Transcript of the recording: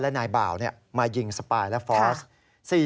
และนายบ่าวมายิงสปายและฟอร์ส